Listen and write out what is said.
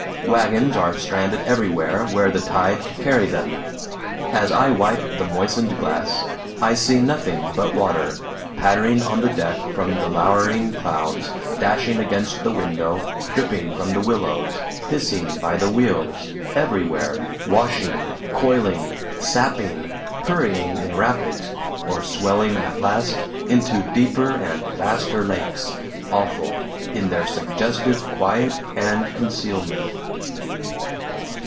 Wagons are stranded everywhere where the tide could carry them. As I wipe the moistened glass, I see nothing but water, pattering on the deck from the lowering clouds, dashing against the window, dripping from the willows, hissing by the wheels, everywhere washing, coiling, sapping, hurrying in rapids, or swelling at last into deeper and vaster lakes, awful in their suggestive quiet and concealment.